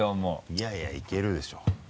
いやいやいけるでしょ。